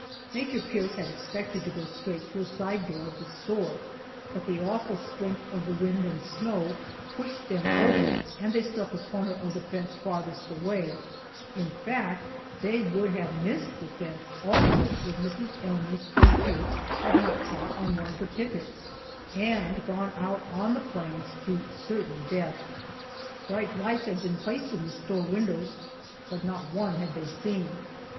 Major Pierce had expected to go straight to a side door of the store, but the awful strength of the wind and snow pushed them over, and they struck a corner of the fence farthest away in fact, they would have missed the fence also if Mrs. Elmer's fur cape had not caught on one of the pickets, and gone out on the plains to certain death. Bright lights had been placed in the store windows, but not one had they seen.